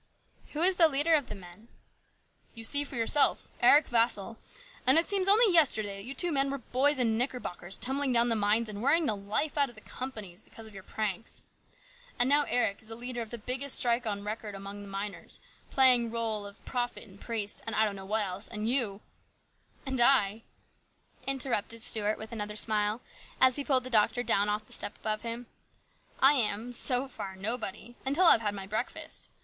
" Who is the leader of the men ?"" You see for yourself ; Eric Vassall. And it seems only yesterday that you two men were boys in knickerbockers tumbling down the mines and worrying the life out of the companies because of your pranks. And now Eric is the leader of the biggest strike on record among miners, playing the rdle of prophet and priest, and I don't know what else, and you " And I," interrupted Stuart, with another smile, as he pulled the doctor down off the step above him, " I am so far nobody, until I have had my breakfast.